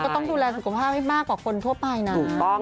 ต้องดูแลสุขภาพให้มากกว่าคนทั่วไปนะ